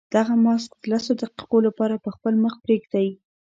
دغه ماسک د لسو دقیقو لپاره په خپل مخ پرېږدئ.